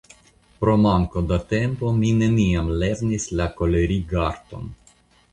Pro manko da tempo mi neniam lernis la kolerigarton.